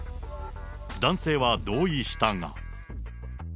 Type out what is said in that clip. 男性は同意したが。